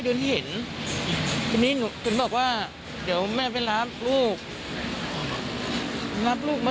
ก็เขตแต่เกมใหม่แบบนี้นะคะ